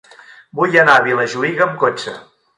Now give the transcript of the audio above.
Vull anar a Vilajuïga amb cotxe.